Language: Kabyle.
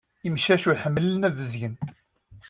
Imcac ur ḥemmlen ad bezgen.